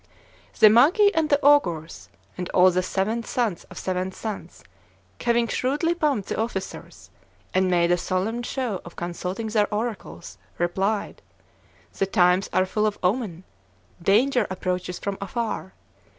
The magi and the augurs, and all the seventh sons of seventh sons, having shrewedly pumped the officers, and made a solemn show of consulting their oracles, replied: "The times are full of omen. Danger approaches from afar.